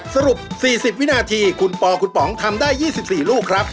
สรุป๔๐วินาทีคุณปอคุณป๋องทำได้๒๔ลูกครับ